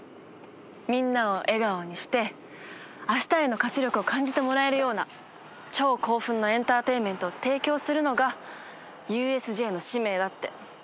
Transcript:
みんなを笑顔にしてあしたへの活力を感じてもらえるような超興奮のエンターテインメントを提供するのがＵＳＪの使命だって。